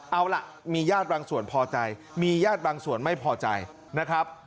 เอาล่ะมีญาติบางส่วนพอใจมีญาติบางส่วนไม่พอใจนะครับ